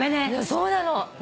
そうなの。